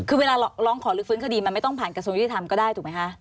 คือเวลาร้องขอลึกฟื้นคดีมันไม่ต้องผ่านกระทรวงยุติธรรมก็ได้ถูกไหมคะ